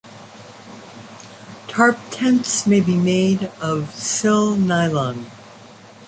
Tarp tents may be made of silnylon.